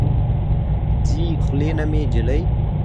ځي خلې نه مې جلۍ